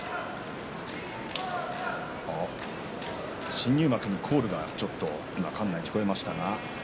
新入幕にコールが聞こえました。